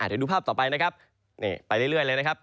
เดี๋ยวดูภาพต่อไปนะครับไปเรื่อยเลยนะครับ